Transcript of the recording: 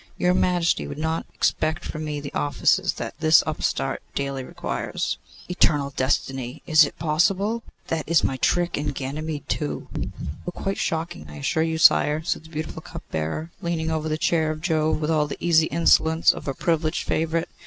'Your Majesty would not expect from me the offices that this upstart daily requires.' 'Eternal destiny! is't possible? That is my trick. And Ganymede, too?' 'Oh! quite shocking, I assure you, sire,' said the beautiful cupbearer, leaning over the chair of Jove with all the easy insolence of a privileged favourite.